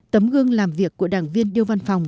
tấm gương làm việc của đảng viên điêu văn phòng